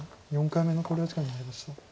４回目の考慮時間に入りました。